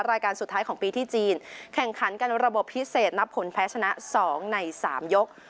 รายการสุดท้ายของปีที่จีนแข่งขันกันระบบพิเศษนับผลแพ้ชนะ๒ใน๓ยก